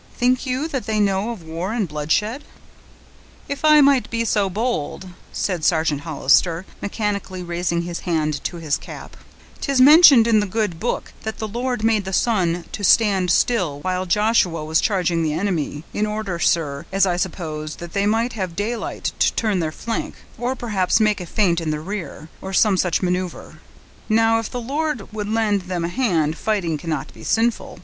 Think you that they know of war and bloodshed?" "If I might be so bold," said Sergeant Hollister, mechanically raising his hand to his cap, "'tis mentioned in the good book, that the Lord made the sun to stand still while Joshua was charging the enemy, in order, sir, as I suppose, that they might have daylight to turn their flank, or perhaps make a feint in the rear, or some such maneuver. Now, if the Lord would lend them a hand, fighting cannot be sinful.